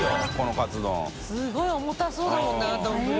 すごい重たそうだもんなどんぶり。